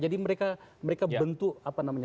jadi mereka bentuk apa namanya